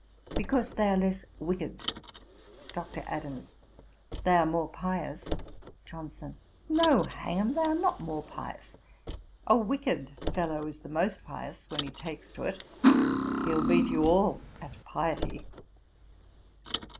'Because they are less wicked.' DR. ADAMS. 'They are more pious.' JOHNSON. 'No, hang 'em, they are not more pious. A wicked fellow is the most pious when he takes to it. He'll beat you all at piety.'